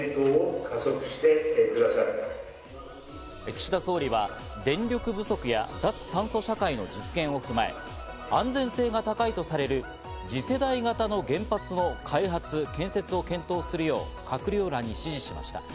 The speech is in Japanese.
岸田総理は電力不足や脱炭素社会の実現を踏まえ、安全性が高いとされる次世代型の原発の開発・建設を検討するよう、閣僚らに指示しました。